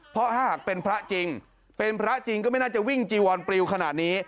เพราะถ้าหากเป็นพระจริงเป็นพระจริงก็ไม่น่าจะวิ่งจีวอนปลิวขนาดนี้